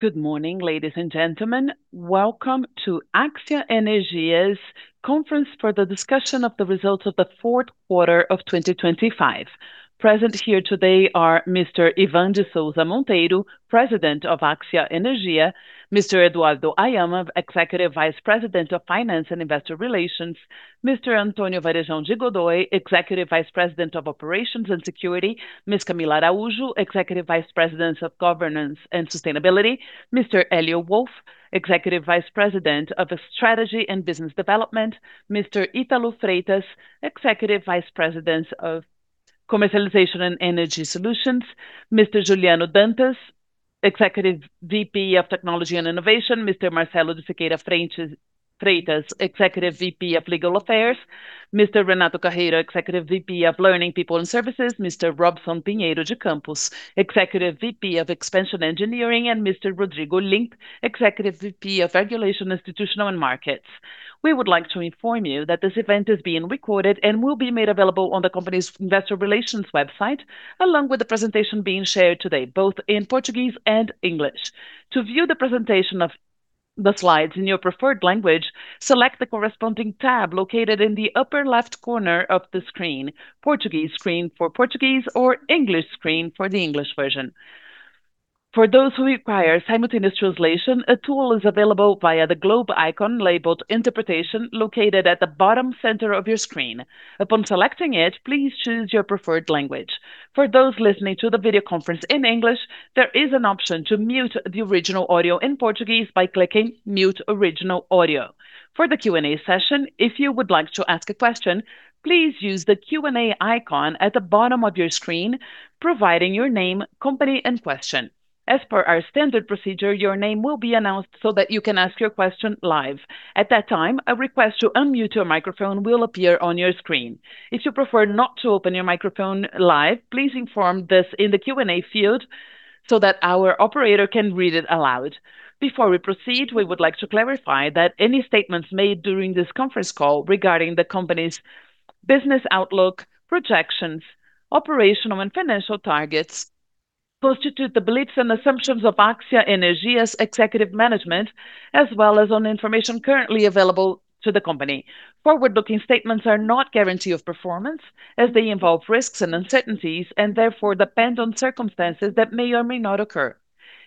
Good morning, ladies and gentlemen. Welcome to AXIA Energia's conference for the discussion of the results of the fourth quarter of 2025. Present here today are Mr. Ivan de Souza Monteiro, President of AXIA Energia; Mr. Eduardo Haiama, Executive Vice President of Finance and Investor Relations; Mr. Antônio Varejão de Godoy, Executive Vice President of Operations and Security; Ms. Camila Araújo, Executive Vice President of Governance and Sustainability; Mr. Élio Wolff, Executive Vice President of Strategy and Business Development; Mr. Ítalo Freitas, Executive Vice President of Commercialization and Energy Solutions; Mr. Juliano Dantas, Executive VP of Technology and Innovation; Mr. Marcelo de Siqueira Freitas, Executive VP of Legal Affairs; Mr. Renato Carreira, Executive VP of Learning, People, and Services; Mr. Robson Pinheiro de Campos, Executive VP of Expansion Engineering; and Mr. Rodrigo Link, Executive VP of Regulation, Institutional, and Markets. We would like to inform you that this event is being recorded and will be made available on the company's investor relations website, along with the presentation being shared today, both in Portuguese and English. To view the presentation of the slides in your preferred language, select the corresponding tab located in the upper left corner of the screen: Portuguese screen for Portuguese or English screen for the English version. For those who require simultaneous translation, a tool is available via the globe icon labeled Interpretation, located at the bottom center of your screen. Upon selecting it, please choose your preferred language. For those listening to the video conference in English, there is an option to mute the original audio in Portuguese by clicking Mute Original Audio. For the Q&A session, if you would like to ask a question, please use the Q&A icon at the bottom of your screen, providing your name, company, and question. As per our standard procedure, your name will be announced so that you can ask your question live. At that time, a request to unmute your microphone will appear on your screen. If you prefer not to open your microphone live, please inform this in the Q&A field so that our operator can read it aloud. Before we proceed, we would like to clarify that any statements made during this conference call regarding the company's business outlook, projections, operational and financial targets, constitute the beliefs and assumptions of AXIA Energia's executive management, as well as on information currently available to the company. Forward-looking statements are not guarantee of performance, as they involve risks and uncertainties, and therefore, depend on circumstances that may or may not occur.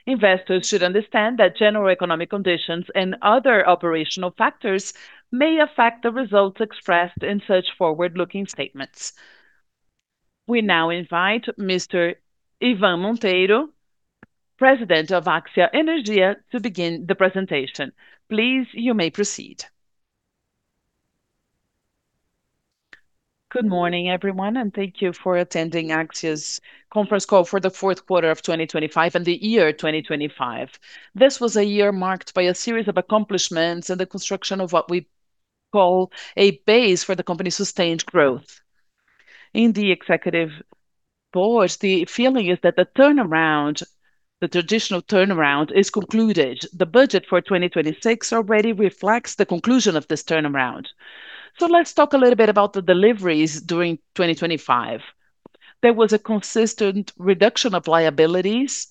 Investors should understand that general economic conditions and other operational factors may affect the results expressed in such forward-looking statements. We now invite Mr. Ivan Monteiro, President of AXIA Energia, to begin the presentation. Please, you may proceed. Good morning, everyone, thank you for attending AXIA's conference call for the fourth quarter of 2025 and the year 2025. This was a year marked by a series of accomplishments and the construction of what we call a base for the company's sustained growth. In the executive boards, the feeling is that the turnaround, the traditional turnaround is concluded. The budget for 2026 already reflects the conclusion of this turnaround. Let's talk a little bit about the deliveries during 2025. There was a consistent reduction of liabilities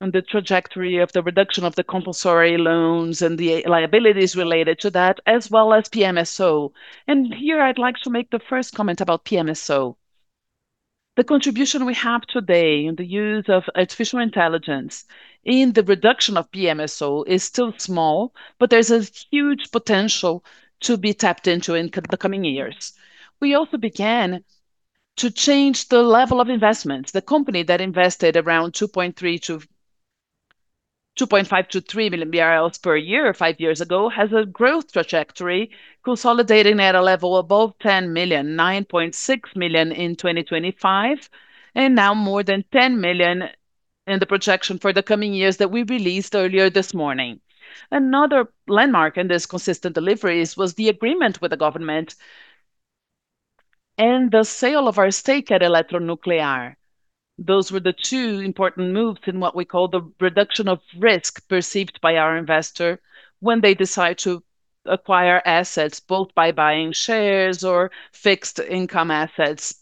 and the trajectory of the reduction of the compulsory loans and the liabilities related to that, as well as PMSO. Here, I'd like to make the first comment about PMSO. The contribution we have today in the use of artificial intelligence in the reduction of PMSO is still small, there's a huge potential to be tapped into in the coming years. We also began to change the level of investments. The company that invested around 2.5 billion-3 billion BRL per year, five years ago, has a growth trajectory, consolidating at a level above 10 million, 9.6 million in 2025, and now more than 10 million in the projection for the coming years that we released earlier this morning. Another landmark in this consistent deliveries was the agreement with the government and the sale of our stake at Eletronuclear. Those were the two important moves in what we call the reduction of risk perceived by our investor when they decide to acquire assets, both by buying shares or fixed income assets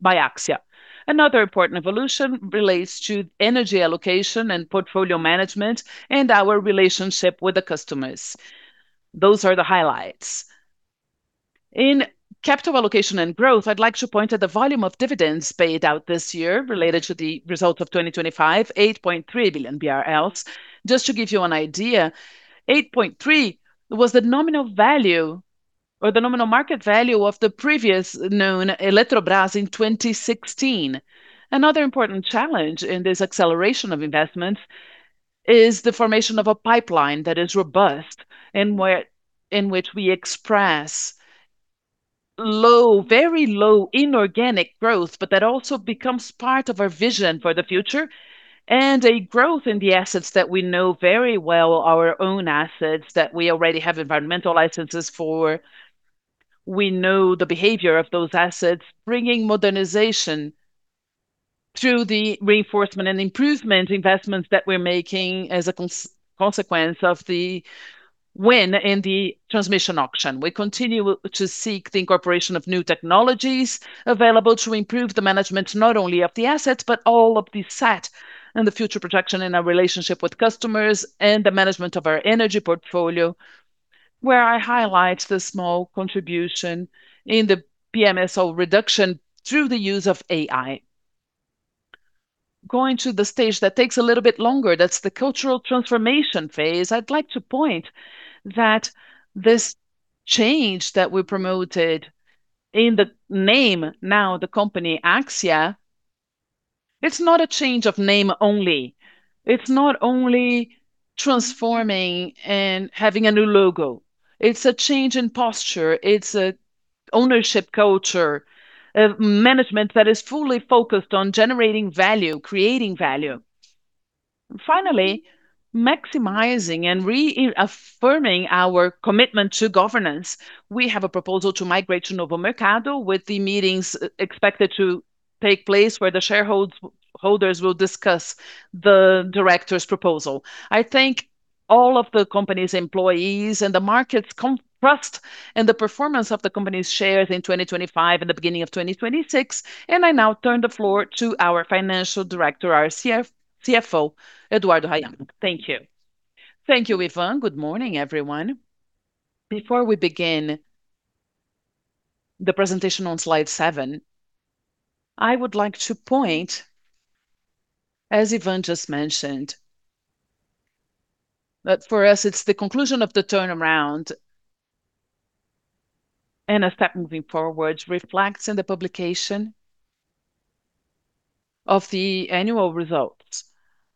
by AXIA. Another important evolution relates to energy allocation and portfolio management and our relationship with the customers. Those are the highlights. In capital allocation and growth, I'd like to point out the volume of dividends paid out this year related to the results of 2025, 8.3 billion BRL. Just to give you an idea, 8.3 was the nominal value or the nominal market value of the previous known Eletrobras in 2016. Another important challenge in this acceleration of investments is the formation of a pipeline that is robust, in which we express low, very low inorganic growth, but that also becomes part of our vision for the future, and a growth in the assets that we know very well, our own assets, that we already have environmental licenses for. We know the behavior of those assets, bringing modernization through the reinforcement and improvement investments that we're making as a consequence of the win in the transmission auction. We continue to seek the incorporation of new technologies available to improve the management, not only of the assets, but all of the set, and the future protection in our relationship with customers and the management of our energy portfolio, where I highlight the small contribution in the PMSO reduction through the use of AI. Going to the stage that takes a little bit longer, that's the cultural transformation phase, I'd like to point that this change that we promoted in the name, now the company Axia, it's not a change of name only. It's not only transforming and having a new logo. It's a change in posture, it's a ownership culture, a management that is fully focused on generating value, creating value. Finally, maximizing and reaffirming our commitment to governance, we have a proposal to migrate to Novo Mercado, with the meetings expected to take place, where the shareholders, holders will discuss the director's proposal. I thank all of the company's employees and the market's trust, and the performance of the company's shares in 2025 and the beginning of 2026, and I now turn the floor to our financial director, our CFO, Eduardo Haiama. Thank you. Thank you, Ivan. Good morning, everyone. Before we begin the presentation on slide seven, I would like to point, as Ivan just mentioned, that for us, it's the conclusion of the turnaround and a step moving forward, reflects in the publication of the annual results.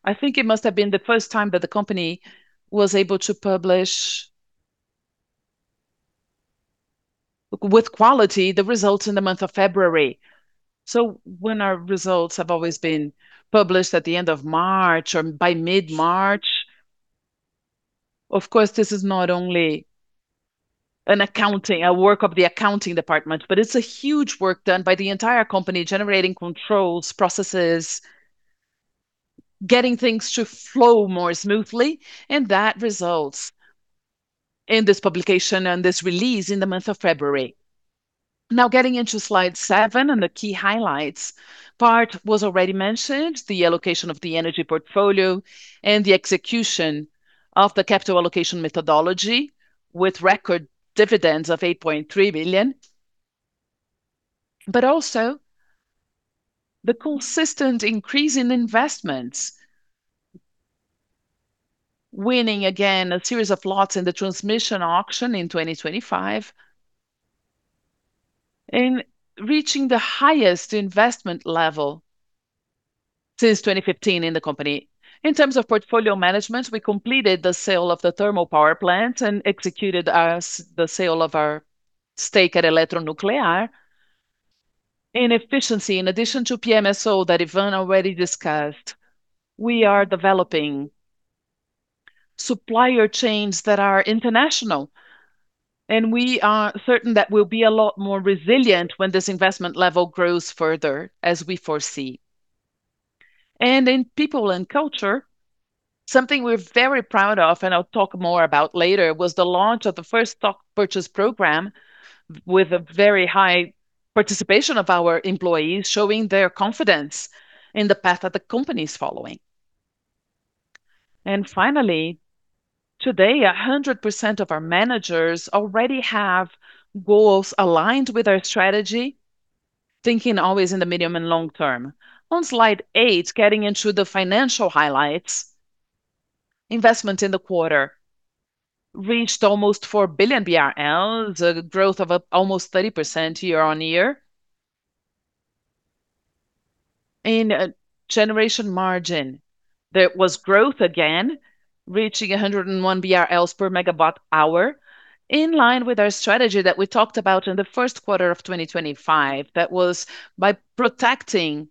I think it must have been the first time that the company was able to publish with quality, the results in the month of February. When our results have always been published at the end of March or by mid-March, of course, this is not only an accounting... a work of the accounting department, but it's a huge work done by the entire company, generating controls, processes, getting things to flow more smoothly, and that results in this publication and this release in the month of February. Getting into slide seven, the key highlights part was already mentioned, the allocation of the energy portfolio and the execution of the capital allocation methodology, with record dividends of 8.3 billion, also the consistent increase in investments, winning again, a series of lots in the transmission auction in 2025, and reaching the highest investment level since 2015 in the company. In terms of portfolio management, we completed the sale of the thermal power plant and executed the sale of our stake at Eletronuclear. In efficiency, in addition to PMSO, that Ivan already discussed, we are developing supplier chains that are international, we are certain that we'll be a lot more resilient when this investment level grows further, as we foresee. In people and culture, something we're very proud of, and I'll talk more about later, was the launch of the first stock purchase program with a very high participation of our employees, showing their confidence in the path that the company is following. Finally, today, 100% of our managers already have goals aligned with our strategy, thinking always in the medium and long term. On slide eight, getting into the financial highlights, investment in the quarter reached almost 4 billion BRL, the growth of up almost 30% year-on-year. In a generation margin, there was growth again, reaching 101 BRL per MWh, in line with our strategy that we talked about in the first quarter of 2025. That was by protecting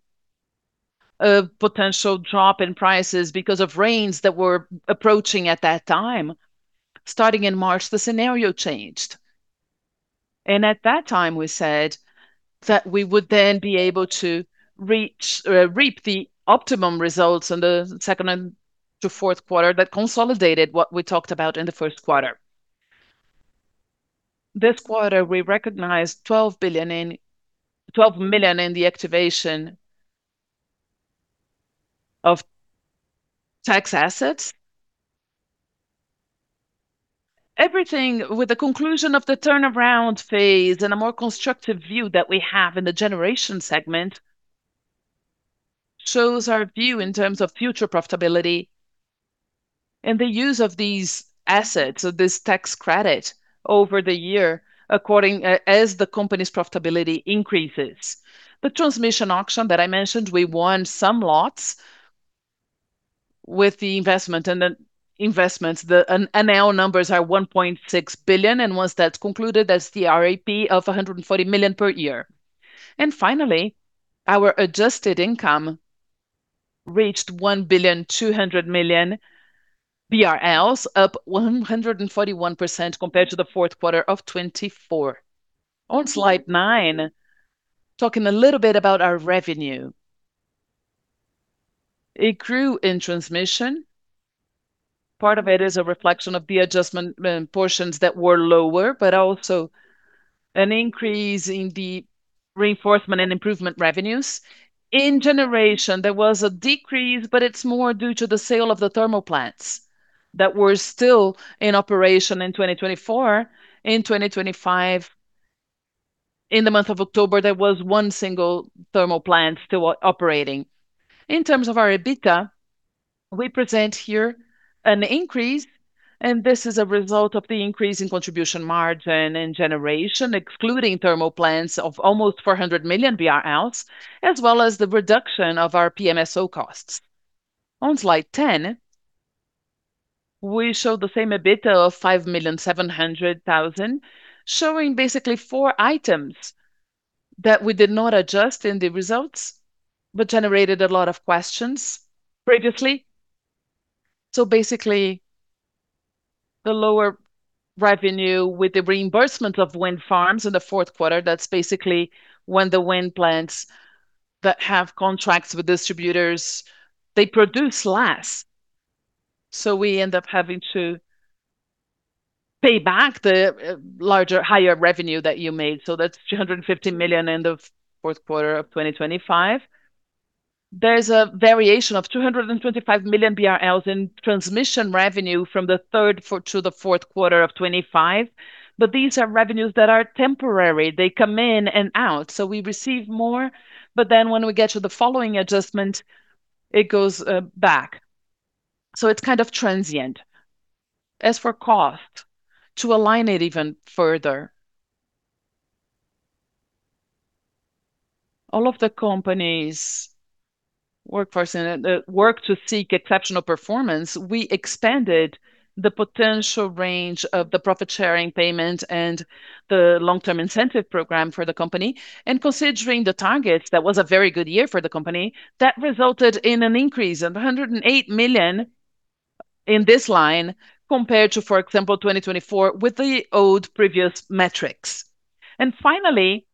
a potential drop in prices because of rains that were approaching at that time. Starting in March, the scenario changed, and at that time, we said that we would then be able to reap the optimum results in the second and to fourth quarter that consolidated what we talked about in the first quarter. This quarter, we recognized 12 million in the activation of tax assets. Everything, with the conclusion of the turnaround phase and a more constructive view that we have in the generation segment, shows our view in terms of future profitability and the use of these assets, so this tax credit, over the year, as the company's profitability increases. The transmission auction that I mentioned, we won some lots with the investment. The investments, the NL numbers are 1.6 billion, and once that's concluded, that's the RAP of 140 million per year. Finally, our adjusted income reached 1.2 billion, up 141% compared to the fourth quarter of 2024. On slide nine, talking a little bit about our revenue. It grew in transmission. Part of it is a reflection of the adjustment, portions that were lower, but also an increase in the reinforcement and improvement revenues. In generation, there was a decrease, but it's more due to the sale of the thermal plants that were still in operation in 2024. In 2025, in the month of October, there was one single thermal plant still operating. In terms of our EBITDA, we present here an increase, and this is a result of the increase in contribution margin and generation, excluding thermal plants of almost 400 million BRL, as well as the reduction of our PMSO costs. On slide 10, we show the same EBITDA of 5.7 million, showing basically four items that we did not adjust in the results, but generated a lot of questions previously. Basically, the lower revenue with the reimbursement of wind farms in the fourth quarter, that's basically when the wind plants that have contracts with distributors, they produce less. We end up having to pay back the larger, higher revenue that you made. That's 250 million end of fourth quarter of 2025. There's a variation of 225 million BRL in transmission revenue from the third to the fourth quarter of 2025. These are revenues that are temporary. They come in and out. We receive more, but then when we get to the following adjustment, it goes back. It's kind of transient. As for cost, to align it even further, all of the company's workforce and work to seek exceptional performance, we expanded the potential range of the profit-sharing payment and the long-term incentive program for the company. Considering the targets, that was a very good year for the company. That resulted in an increase of 108 million in this line, compared to, for example, 2024, with the old previous metrics. Finally,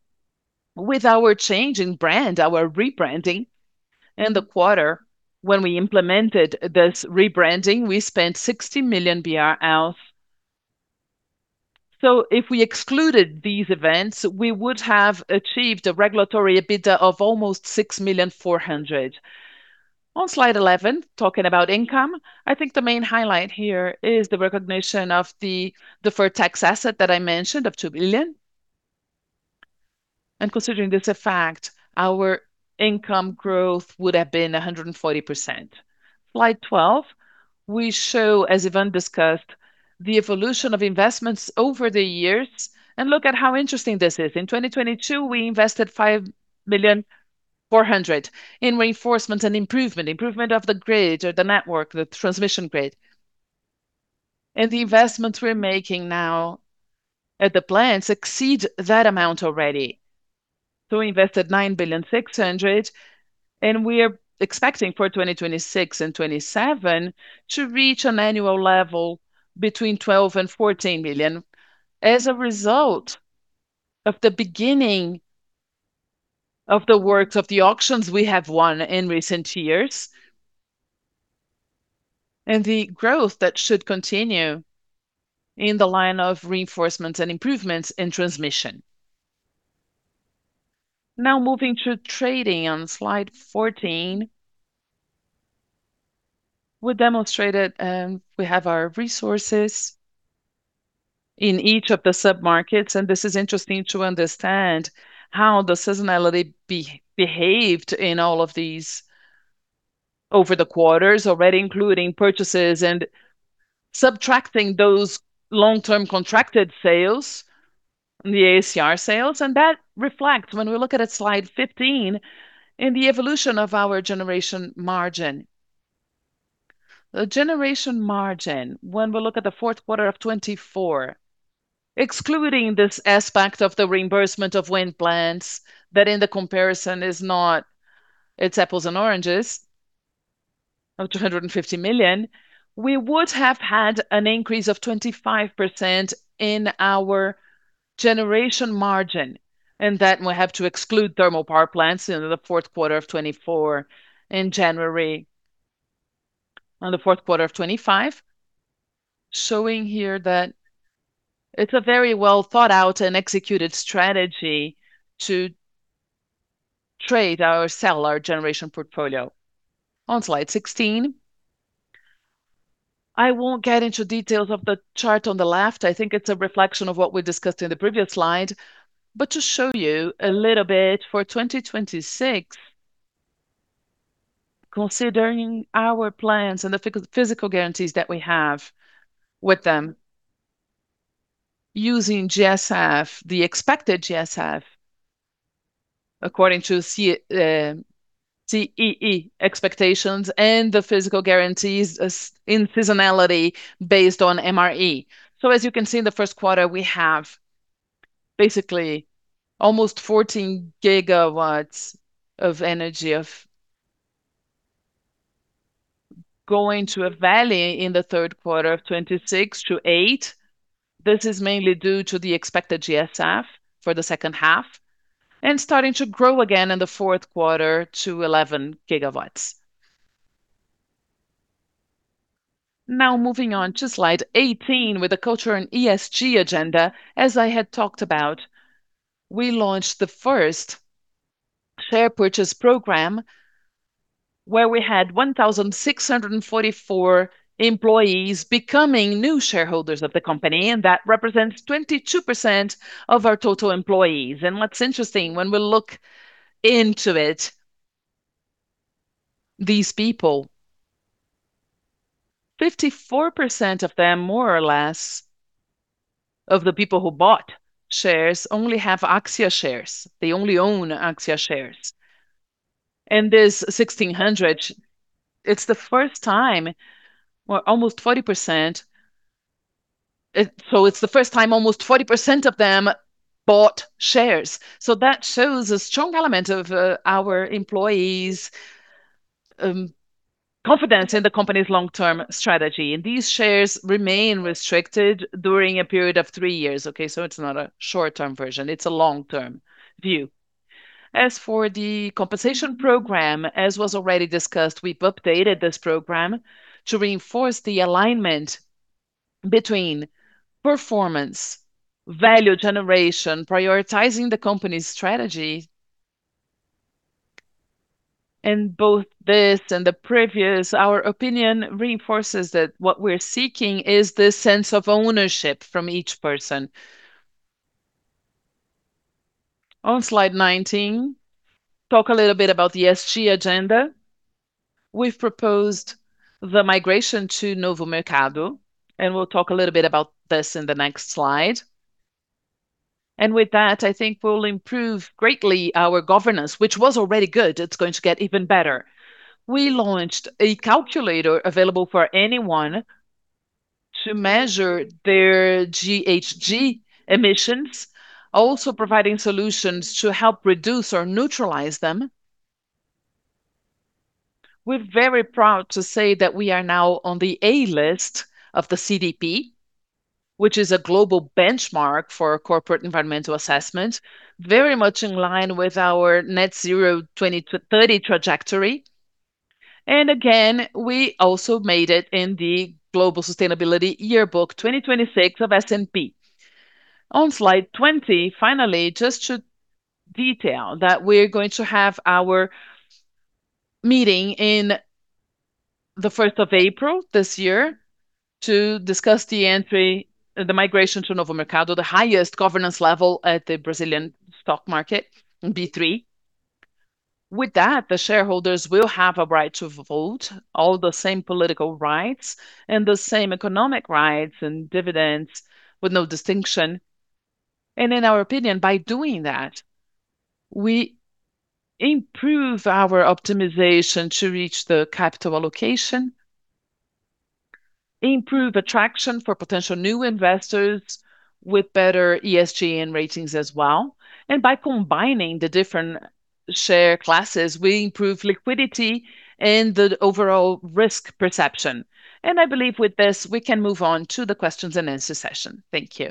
with our change in brand, our rebranding in the quarter, when we implemented this rebranding, we spent 60 million BRL. If we excluded these events, we would have achieved a regulatory EBITDA of almost 6,000,400. On slide 11, talking about income, I think the main highlight here is the recognition of the deferred tax asset that I mentioned, of 2 billion. Considering this a fact, our income growth would have been 140%. Slide 12, we show, as Ivan discussed, the evolution of investments over the years, and look at how interesting this is. In 2022, we invested 5.4 million in reinforcement and improvement of the grid or the network, the transmission grid. The investments we're making now at the plants exceed that amount already. We invested 9.6 billion, and we are expecting for 2026 and 2027 to reach an annual level between 12 million and 14 million as a result of the beginning of the works of the auctions we have won in recent years, and the growth that should continue in the line of reinforcements and improvements in transmission. Moving to trading on Slide 14, we demonstrated we have our resources in each of the sub-markets, this is interesting to understand how the seasonality behaved in all of these over the quarters, already including purchases and subtracting those long-term contracted sales, the ACR sales. That reflects, when we look at Slide 15, in the evolution of our generation margin. The generation margin, when we look at the fourth quarter of 2024, excluding this aspect of the reimbursement of wind plants, that in the comparison is not... It's apples and oranges, of 250 million, we would have had an increase of 25% in our generation margin, and that we have to exclude thermal power plants in the 4Q 2024 and January, on the 4Q 2025, showing here that it's a very well thought out and executed strategy to trade or sell our generation portfolio. On Slide 16, I won't get into details of the chart on the left. I think it's a reflection of what we discussed in the previous slide. To show you a little bit for 2026, considering our plans and the physical guarantees that we have with them, using GSF, the expected GSF, according to CCEE expectations and the physical guarantees, as, in seasonality based on MRE. As you can see, in the first quarter, we have basically almost 14 GW of energy going to a valley in the third quarter of 2026 to eight. This is mainly due to the expected GSF for the second half, starting to grow again in the fourth quarter to 11 GW. Moving on to slide 18, with the culture and ESG agenda. As I had talked about, we launched the first share purchase program, where we had 1,644 employees becoming new shareholders of the company, and that represents 22% of our total employees. What's interesting, when we look into it, these people, 54% of them, more or less, of the people who bought shares, only have AXIA shares. They only own AXIA shares. This 1,600, it's the first time, well, almost 40%... It's the first time almost 40% of them bought shares. That shows a strong element of our employees' confidence in the company's long-term strategy, and these shares remain restricted during a period of three years, okay? It's not a short-term version, it's a long-term view. As for the compensation program, as was already discussed, we've updated this program to reinforce the alignment between performance, value generation, prioritizing the company's strategy. Both this and the previous, our opinion reinforces that what we're seeking is this sense of ownership from each person. On slide 19, talk a little bit about the ESG agenda. We've proposed the migration to Novo Mercado, we'll talk a little bit about this in the next slide. With that, I think we'll improve greatly our governance, which was already good. It's going to get even better. We launched a calculator available for anyone to measure their GHG emissions, also providing solutions to help reduce or neutralize them. We're very proud to say that we are now on the A list of the CDP, which is a global benchmark for corporate environmental assessment, very much in line with our Net Zero 2030 trajectory. Again, we also made it in The Sustainability Yearbook 2026 of S&P Global. Slide 20, finally, just to detail that we're going to have our meeting in the 1st of April this year to discuss the entry, the migration to Novo Mercado, the highest governance level at the Brazilian stock market, B3. With that, the shareholders will have a right to vote, all the same political rights and the same economic rights and dividends, with no distinction. In our opinion, by doing that, we improve our optimization to reach the capital allocation, improve attraction for potential new investors with better ESG and ratings as well. By combining the different share classes, we improve liquidity and the overall risk perception. I believe with this, we can move on to the questions and answer session. Thank you.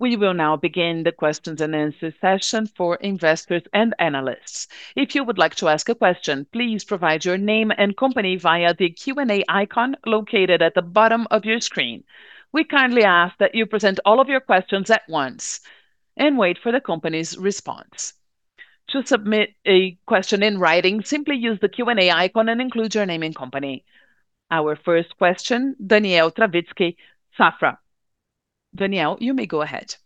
We will now begin the questions and answer session for investors and analysts. If you would like to ask a question, please provide your name and company via the Q&A icon located at the bottom of your screen. We kindly ask that you present all of your questions at once, and wait for the company's response. To submit a question in writing, simply use the Q&A icon and include your name and company. Our first question, Daniel Travitzky, Safra. Daniel, you may go ahead.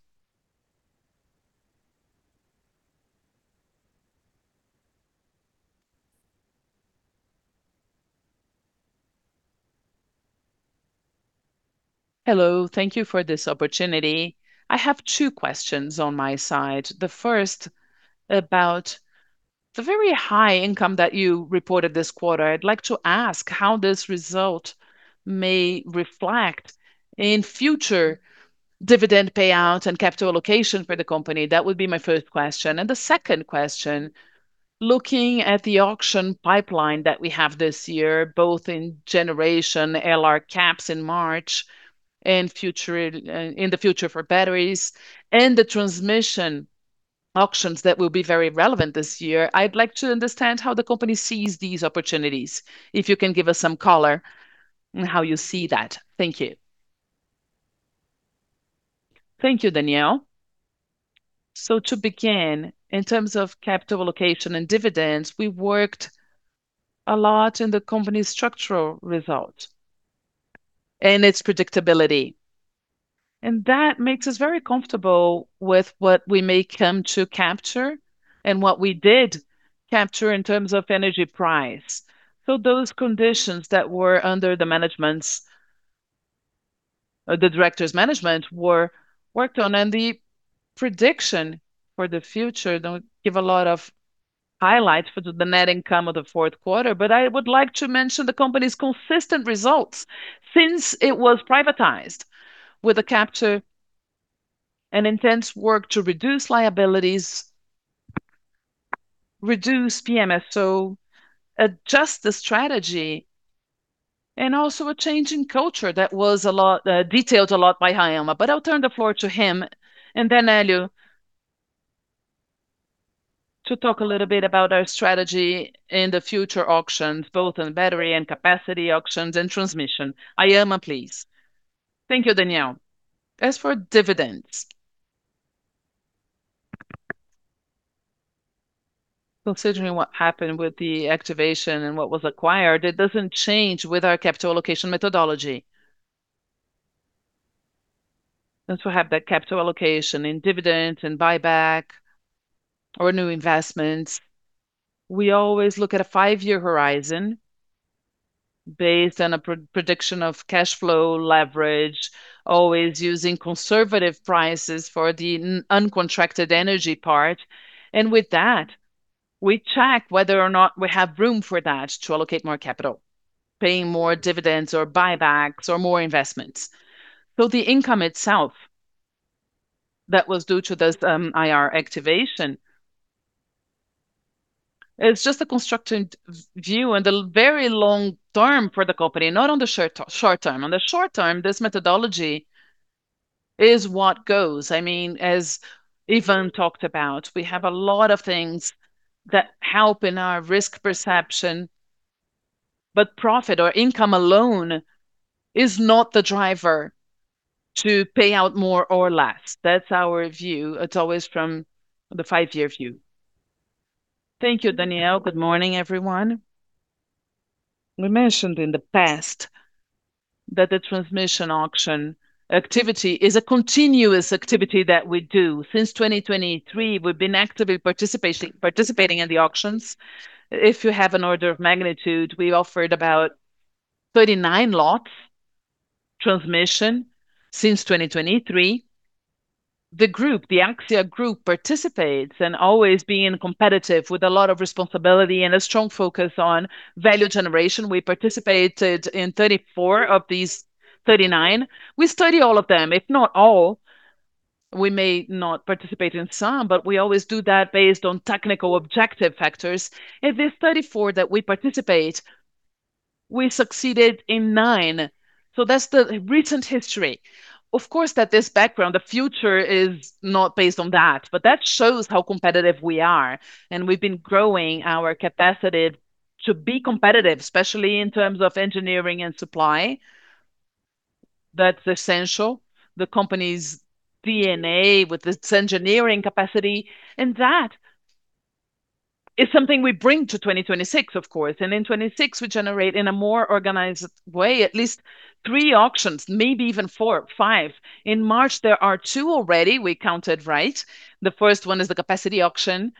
Hello, thank you for this opportunity. I have two questions on my side. The first, about the very high income that you reported this quarter. I'd like to ask how this result may reflect in future dividend payouts and capital allocation for the company? That would be my first question. The second question: looking at the auction pipeline that we have this year, both in generation LRCAP in March, in the future for batteries, and the transmission auctions that will be very relevant this year, I'd like to understand how the company sees these opportunities. If you can give us some color on how you see that. Thank you. Thank you, Daniel. To begin, in terms of capital allocation and dividends, we worked a lot in the company's structural result and its predictability, and that makes us very comfortable with what we may come to capture and what we did capture in terms of energy price. Those conditions that were under the management's, the director's management, were worked on, and the prediction for the future don't give a lot of highlights for the net income of the fourth quarter. I would like to mention the company's consistent results since it was privatized, with a capture an intense work to reduce liabilities, reduce PMSO, adjust the strategy, and also a change in culture that was a lot, detailed a lot by Haiama. I'll turn the floor to him, and then Élio, to talk a little bit about our strategy in the future auctions, both in battery and capacity auctions, and transmission. Haiama, please. Thank you, Daniel. As for dividends, considering what happened with the activation and what was acquired, it doesn't change with our capital allocation methodology. Since we have that capital allocation in dividends, and buyback, or new investments, we always look at a five-year horizon based on a prediction of cash flow, leverage, always using conservative prices for the uncontracted energy part. With that, we check whether or not we have room for that to allocate more capital, paying more dividends, or buybacks, or more investments. The income itself, that was due to this IR activation, it's just a constructed view in the very long term for the company, not on the short term. On the short term, this methodology is what goes. I mean, as Ivan talked about, we have a lot of things that help in our risk perception, but profit or income alone is not the driver to pay out more or less. That's our view. It's always from the five-year view. Thank you, Daniel. Good morning, everyone. We mentioned in the past that the transmission auction activity is a continuous activity that we do. Since 2023, we've been actively participating in the auctions. If you have an order of magnitude, we offered about 39 lots transmission since 2023. The group, the AXIA group, participates, always being competitive with a lot of responsibility and a strong focus on value generation. We participated in 34 of these 39. We study all of them. If not all, we may not participate in some. We always do that based on technical objective factors. In the 34 that we participate, we succeeded in nine. That's the recent history. Of course, that this background, the future is not based on that. That shows how competitive we are. We've been growing our capacity to be competitive, especially in terms of engineering and supply. That's essential. The company's DNA with its engineering capacity. That is something we bring to 2026, of course. In 2026, we generate, in a more organized way, at least three auctions, maybe even four, five. In March, there are two already we counted, right. The first one is the capacity auction,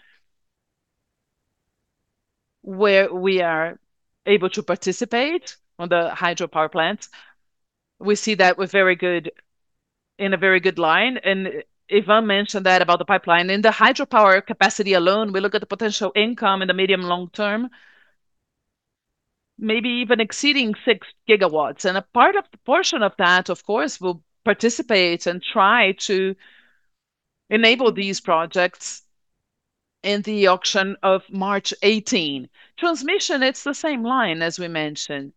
where we are able to participate on the hydropower plant. We see that in a very good line. Ivan Monteiro mentioned that about the pipeline. In the hydropower capacity alone, we look at the potential income in the medium long term, maybe even exceeding 6 GW. A portion of that, of course, will participate and try to enable these projects in the auction of March 18. Transmission, it's the same line as we mentioned.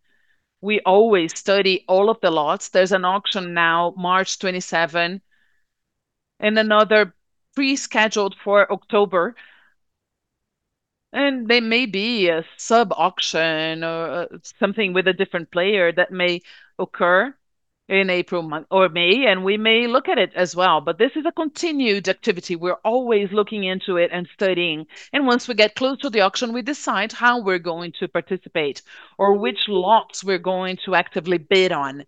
We always study all of the lots. There's an auction now, March 27. Another pre-scheduled for October. There may be a sub-auction or something with a different player that may occur in April or May. We may look at it as well. This is a continued activity. We're always looking into it and studying. Once we get close to the auction, we decide how we're going to participate or which lots we're going to actively bid on.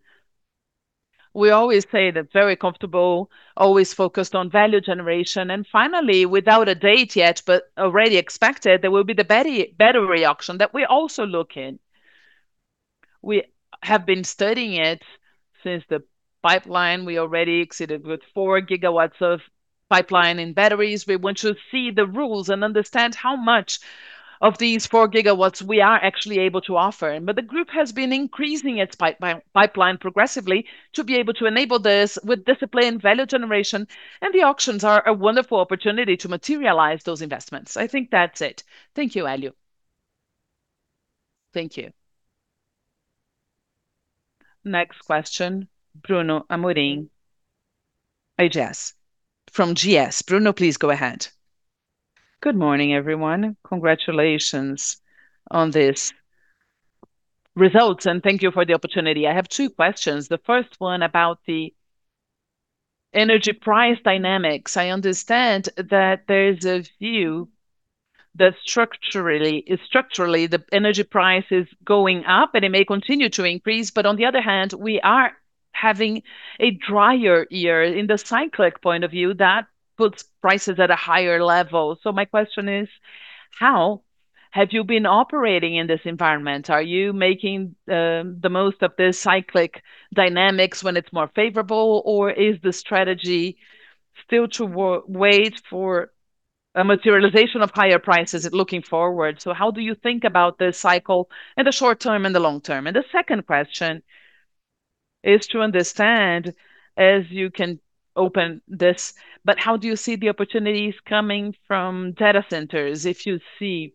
We always say that very comfortable, always focused on value generation. Finally, without a date yet, but already expected, there will be the battery auction that we're also looking. We have been studying it since the pipeline. We already exceeded with 4 GW of pipeline in batteries. We want to see the rules and understand how much of these 4 GW we are actually able to offer. The group has been increasing its pipeline progressively to be able to enable this with discipline, value generation, and the auctions are a wonderful opportunity to materialize those investments. I think that's it. Thank you, Élio. Thank you. Next question, Bruno Amorim. Yes, from GS. Bruno, please go ahead. Good morning, everyone. Congratulations on this results. Thank you for the opportunity. I have two questions. The first one about the energy price dynamics. I understand that there is a view that structurally, the energy price is going up, and it may continue to increase, but on the other hand, we are having a drier year. In the cyclic point of view, that puts prices at a higher level. My question is: How have you been operating in this environment? Are you making the most of the cyclic dynamics when it's more favorable, or is the strategy still to wait for a materialization of higher prices looking forward? How do you think about the cycle in the short term and the long term? The second question is to understand, as you can open this, but how do you see the opportunities coming from data centers? If you see,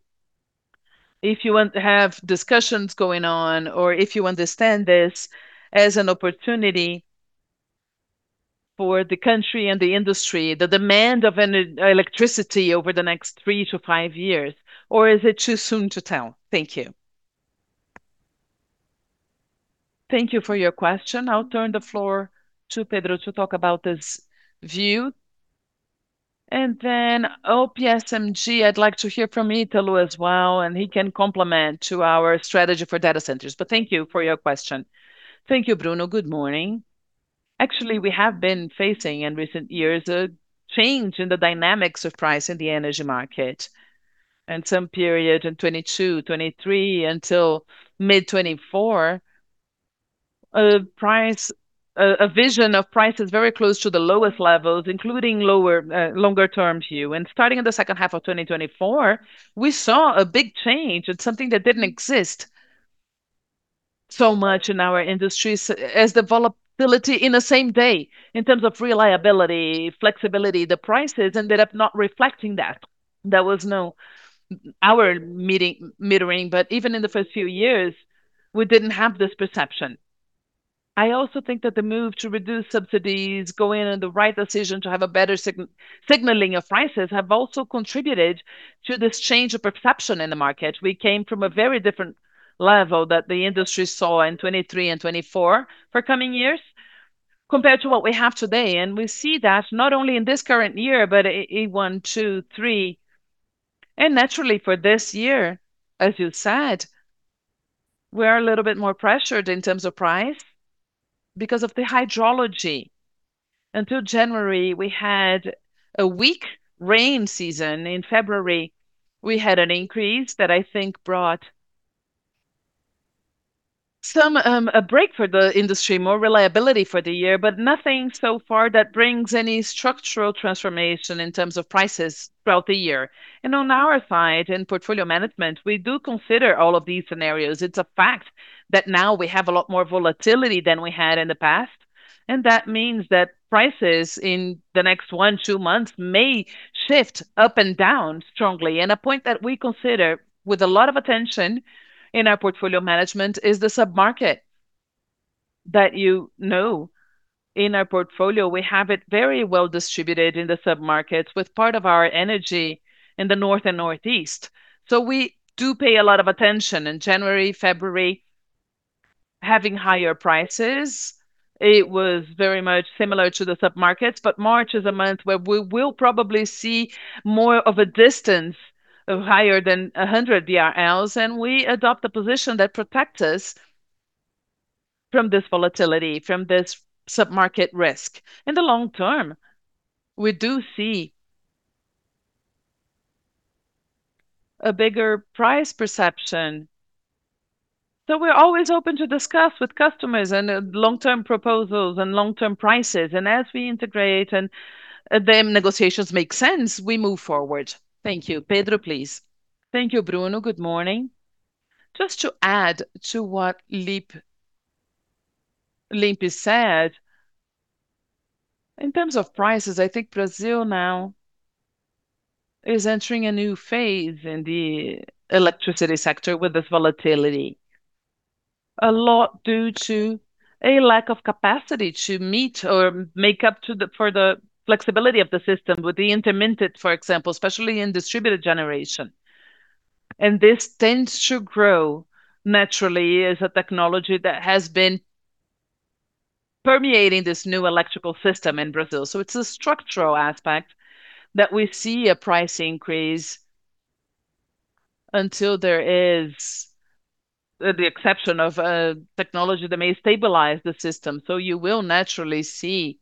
if you want to have discussions going on, or if you understand this as an opportunity for the country and the industry, the demand of electricity over the next three to five years, or is it too soon to tell? Thank you. Thank you for your question. I'll turn the floor to Pedro to talk about this view. OPSMG, I'd like to hear from Italo as well, and he can complement to our strategy for data centers. Thank you for your question. Thank you, Bruno. Good morning. Actually, we have been facing, in recent years, a change in the dynamics of price in the energy market, and some period in 2022, 2023, until mid 2024, price, a vision of prices very close to the lowest levels, including lower, longer term view. Starting in the second half of 2024, we saw a big change and something that didn't exist so much in our industry as the volatility in the same day. In terms of reliability, flexibility, the prices ended up not reflecting that. There was no hour metering, but even in the first few years, we didn't have this perception. I also think that the move to reduce subsidies, going in the right decision to have a better signaling of prices, have also contributed to this change of perception in the market. We came from a very different level that the industry saw in 2023 and 2024 for coming years, compared to what we have today. We see that not only in this current year, but in one, two, three. Naturally, for this year, as you said, we're a little bit more pressured in terms of price because of the hydrology. Until January, we had a weak rain season. In February, we had an increase that I think brought some a break for the industry, more reliability for the year, but nothing so far that brings any structural transformation in terms of prices throughout the year. On our side, in portfolio management, we do consider all of these scenarios. It's a fact that now we have a lot more volatility than we had in the past, and that means that prices in the next one, two months may shift up and down strongly. A point that we consider with a lot of attention in our portfolio management is the sub-market that you know in our portfolio. We have it very well distributed in the sub-markets, with part of our energy in the north and northeast. We do pay a lot of attention. In January, February, having higher prices, it was very much similar to the sub-markets. March is a month where we will probably see more of a distance of higher than 100 BRL. We adopt a position that protects us from this volatility, from this sub-market risk. In the long term, we do see a bigger price perception. We're always open to discuss with customers and long-term proposals and long-term prices. As we integrate and them negotiations make sense, we move forward. Thank you. Pedro, please. Thank you, Bruno. Good morning. Just to add to what Limp said, in terms of prices, I think Brazil now is entering a new phase in the electricity sector with this volatility. A lot due to a lack of capacity to meet or make up for the flexibility of the system with the intermittent, for example, especially in distributed generation, and this tends to grow naturally as a technology that has been permeating this new electrical system in Brazil. It's a structural aspect that we see a price increase until there is the exception of a technology that may stabilize the system. You will naturally see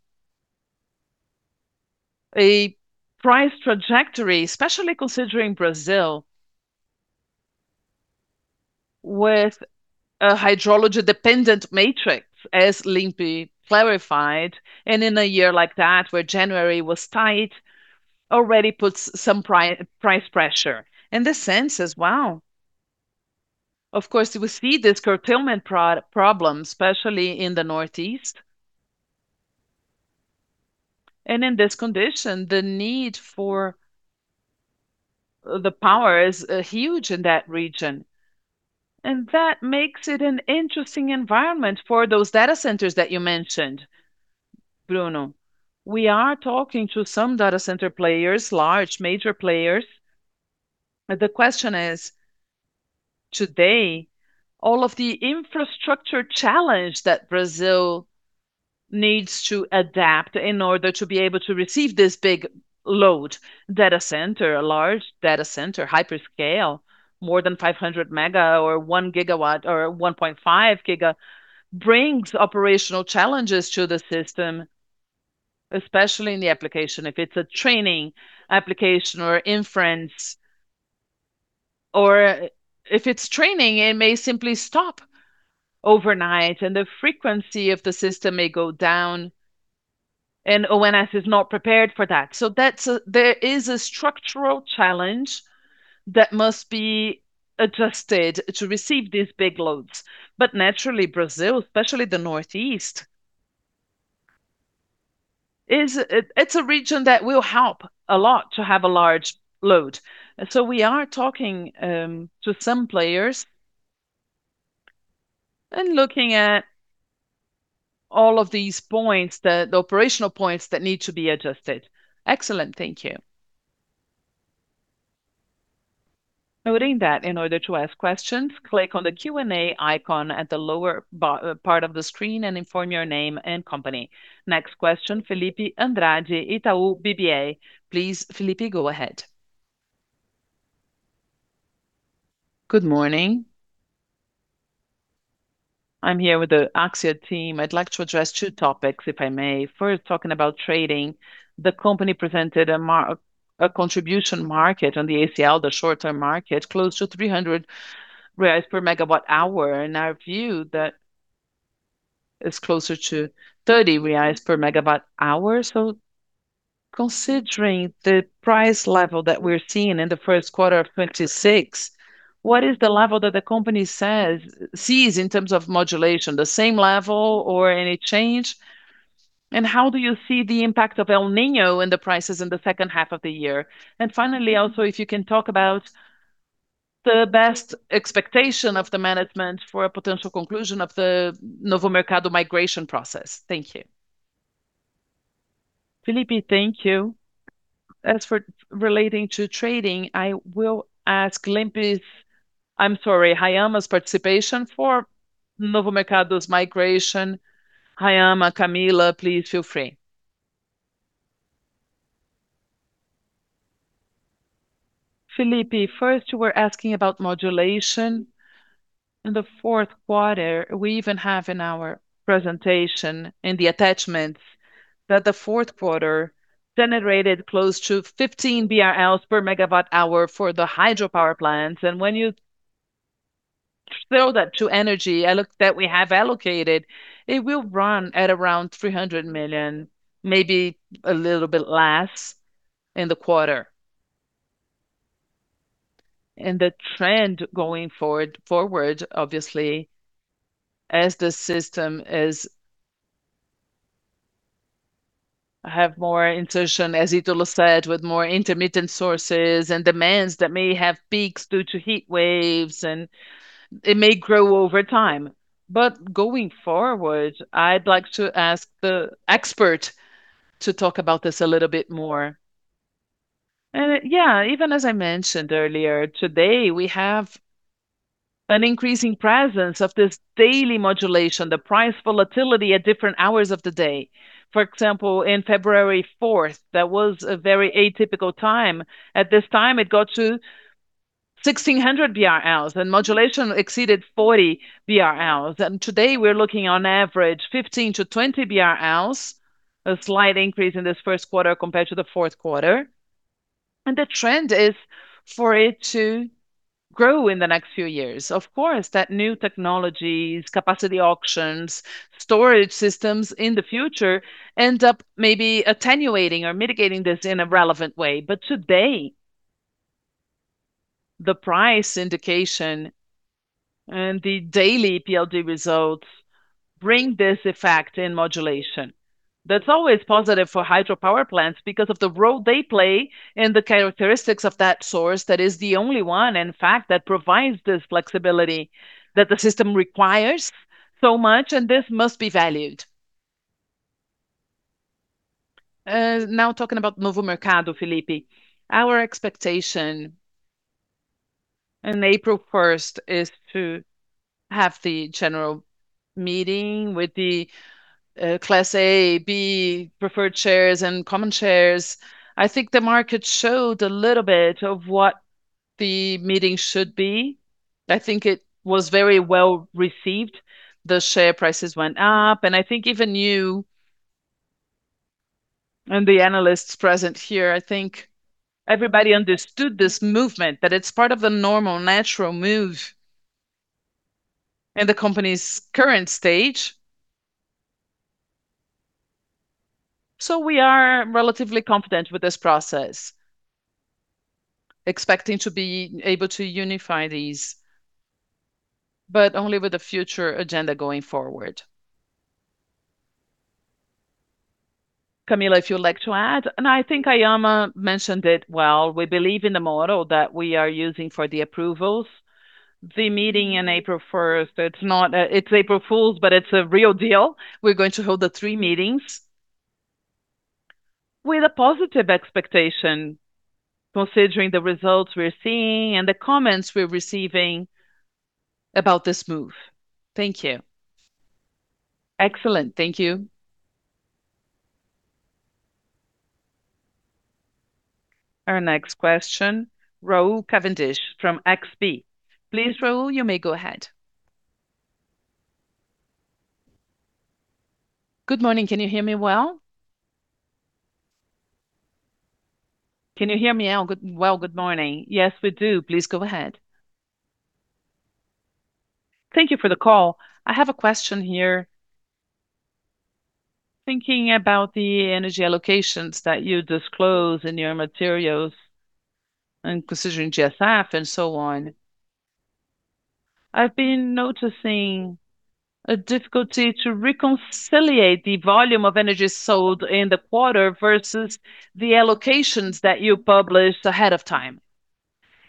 a price trajectory, especially considering Brazil, with a hydrology-dependent matrix, as Limp clarified, and in a year like that, where January was tight, already puts some price pressure. In this sense as well, of course, we see this curtailment problem, especially in the Northeast. In this condition, the need for the power is huge in that region, and that makes it an interesting environment for those data centers that you mentioned, Bruno. We are talking to some data center players, large, major players. The question is, today, all of the infrastructure challenge that Brazil needs to adapt in order to be able to receive this big load data center, a large data center, hyperscale, more than 500 mega or 1 GW or 1.5 GW, brings operational challenges to the system, especially in the application. If it's a training application or inference. If it's training, it may simply stop overnight. The frequency of the system may go down. ONS is not prepared for that. There is a structural challenge that must be adjusted to receive these big loads. Naturally, Brazil, especially the Northeast, it's a region that will help a lot to have a large load. We are talking to some players and looking at all of these points, the operational points that need to be adjusted. Excellent. Thank you. Noting that in order to ask questions, click on the Q&A icon at the lower part of the screen, and inform your name and company. Next question, Fillipe Andrade, Itaú BBA. Please, Fillipe, go ahead. Good morning. I'm here with the AXIA team. I'd like to address two topics, if I may. First, talking about trading. The company presented a contribution market on the ACL, the short-term market, close to 300 reais per MWh. In our view, that is closer to 30 reais per MWh. Considering the price level that we're seeing in the first quarter of 2026, what is the level that the company sees in terms of modulation? The same level or any change? How do you see the impact of El Niño in the prices in the second half of the year? Finally, also, if you can talk about the best expectation of the management for a potential conclusion of the Novo Mercado migration process. Thank you. Fillipe, thank you. As for relating to trading, I will ask Limp's, I'm sorry, Haiama's participation for Novo Mercado's migration. Haiama, Camila, please feel free. Felipe, first, you were asking about modulation. In the fourth quarter, we even have in our presentation, in the attachments, that the fourth quarter generated close to 15 BRL per MWh for the hydropower plants. When you sell that to energy, that we have allocated, it will run at around 300 million, maybe a little bit less in the quarter. The trend going forward, obviously, as the system is have more insertion, as Italo said, with more intermittent sources and demands that may have peaks due to heat waves, and it may grow over time. Going forward, I'd like to ask the expert to talk about this a little bit more. Yeah, even as I mentioned earlier, today, we have an increasing presence of this daily modulation, the price volatility at different hours of the day. For example, in February 4th, that was a very atypical time. At this time, it got to 1,600 BRL, and modulation exceeded 40 BRL. Today, we're looking, on average, 15-20 BRL, a slight increase in this first quarter compared to the fourth quarter, and the trend is for it to grow in the next few years. Of course, that new technologies, capacity auctions, storage systems in the future end up maybe attenuating or mitigating this in a relevant way. Today, the price indication and the daily PLD results bring this effect in modulation. That's always positive for hydropower plants because of the role they play and the characteristics of that source that is the only one, in fact, that provides this flexibility that the system requires so much, and this must be valued. Now talking about Novo Mercado, Fillipe, our expectation in April 1st is to have the general meeting with the Class A, B, preferred shares, and common shares. I think the market showed a little bit of what the meeting should be. I think it was very well-received. The share prices went up, I think even you and the analysts present here, I think everybody understood this movement, that it's part of the normal, natural move in the company's current stage. We are relatively confident with this process, expecting to be able to unify these, but only with the future agenda going forward. Camila, if you would like to add? I think Haiama mentioned it well. We believe in the model that we are using for the approvals. The meeting in April 1st, it's April Fools, but it's a real deal. We're going to hold the three meetings with a positive expectation, considering the results we're seeing and the comments we're receiving about this move. Thank you. Excellent. Thank you. Our next question, Raul Cavendish from XP. Please, Raul, you may go ahead. Good morning, can you hear me well? Can you hear me now? Well, good morning. Yes, we do. Please go ahead. Thank you for the call. I have a question here. Thinking about the energy allocations that you disclose in your materials and considering GSF and so on, I've been noticing a difficulty to reconcile the volume of energy sold in the quarter versus the allocations that you published ahead of time.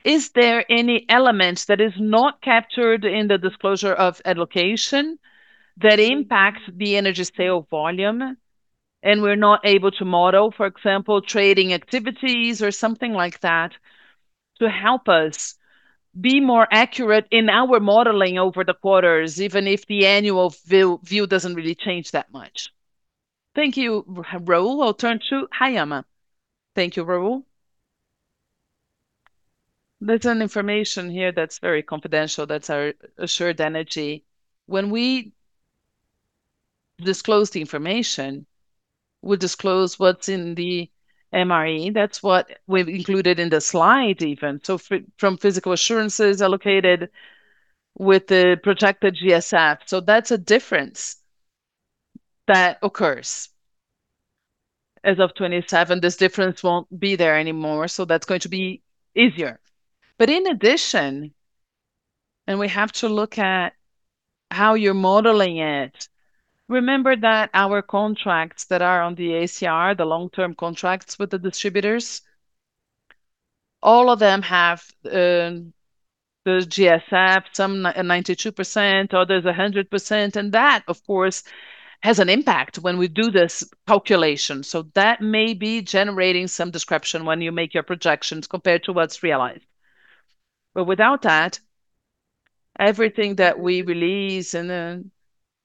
Is there any elements that is not captured in the disclosure of allocation that impacts the energy sale volume, we're not able to model, for example, trading activities or something like that, to help us be more accurate in our modeling over the quarters, even if the annual view doesn't really change that much? Thank you, Raul. I'll turn to Eduardo Haiama. Thank you, Raul. There's an information here that's very confidential, that's our assured energy. When we disclose the information, we disclose what's in the MRE. That's what we've included in the slide even. From physical assurances allocated with the projected GSF, that's a difference that occurs. As of 2027, this difference won't be there anymore, that's going to be easier. In addition, and we have to look at how you're modeling it, remember that our contracts that are on the ACR, the long-term contracts with the distributors, all of them have the GSF, some 92%, others 100%, and that, of course, has an impact when we do this calculation. That may be generating some description when you make your projections compared to what's realized. Without that, everything that we release in the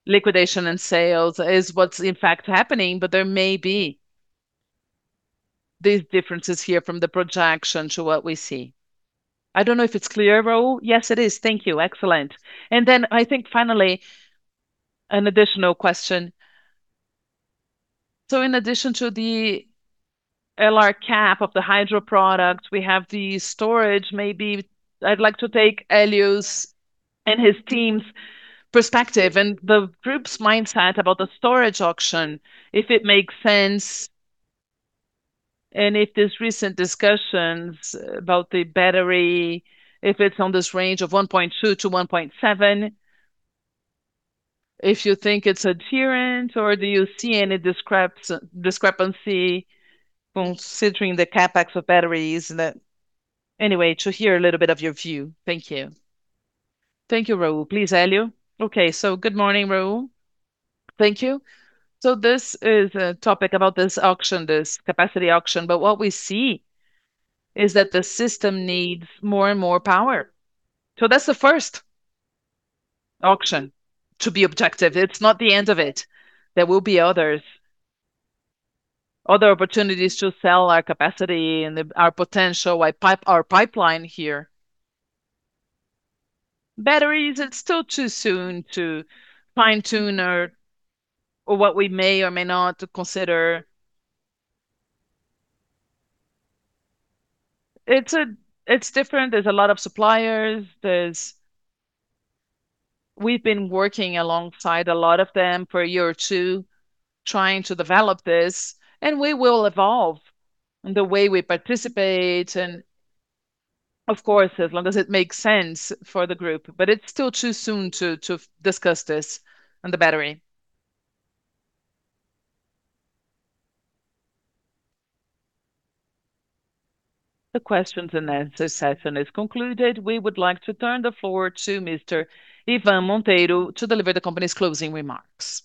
liquidation and sales is what's in fact happening, but there may be these differences here from the projection to what we see. I don't know if it's clear, Raul? Yes, it is. Thank you. Excellent. I think finally, an additional question: In addition to the LRCAP of the hydro product, we have the storage. Maybe I'd like to take Élio's and his team's perspective and the group's mindset about the storage auction, if it makes sense, and if this recent discussions about the battery, if it's on this range of 1.2-1.7, if you think it's adherent, or do you see any discrepancy considering the CapEx of batteries that. Anyway, to hear a little of your view. Thank you. Thank you, Raul. Please, Élio. Okay, good morning, Raul. Thank you. This is a topic about this auction, this capacity auction, what we see is that the system needs more and more power. That's the first auction to be objective. It's not the end of it. There will be others, other opportunities to sell our capacity and our potential pipeline here. Batteries, it's still too soon to fine-tune or what we may or may not consider. It's different. There's a lot of suppliers. We've been working alongside a lot of them for a year or two, trying to develop this, and we will evolve in the way we participate and, of course, as long as it makes sense for the group. It's still too soon to discuss this on the battery. The questions and answer session is concluded. We would like to turn the floor to Mr. Ivan Monteiro to deliver the company's closing remarks.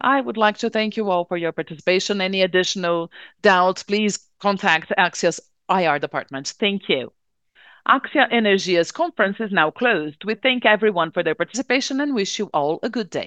I would like to thank you all for your participation. Any additional doubts, please contact Axia's IR department. Thank you. AXIA Energia's conference is now closed. We thank everyone for their participation and wish you all a good day.